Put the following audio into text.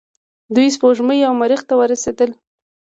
دوی سپوږمۍ او مریخ ته ورسیدل.